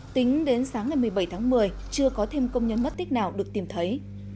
tính đến sáng ngày một mươi bảy tháng một mươi chưa có thêm công nhân mất tích nào được tìm thấy